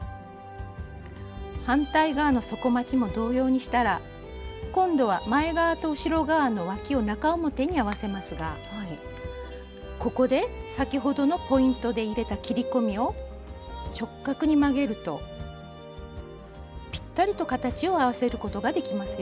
反対側の底まちも同様にしたら今度は前側と後ろ側のわきを中表に合わせますがここで先ほどのポイントで入れた切り込みを直角に曲げるとぴったりと形を合わせることができますよ。